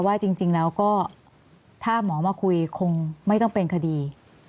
ว่าจริงแล้วก็ถ้าหมอมาคุยคงไม่ต้องเป็นคดี